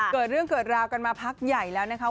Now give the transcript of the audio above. เกิดเรื่องเกิดราวกันมาพักใหญ่แล้วนะคะ